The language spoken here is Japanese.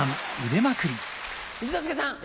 一之輔さん。